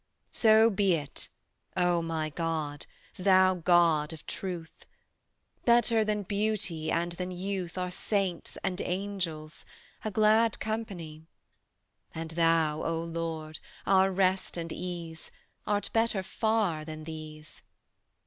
So be it, O my God, Thou God of truth: Better than beauty and than youth Are Saints and Angels, a glad company; And Thou, O Lord, our Rest and Ease, Art better far than these.